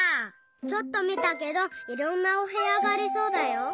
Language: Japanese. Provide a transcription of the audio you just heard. ちょっとみたけどいろんなおへやがありそうだよ。